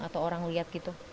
atau orang lihat gitu